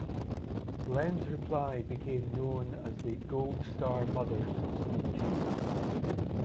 Glenn's reply became known as the "Gold Star Mothers" speech.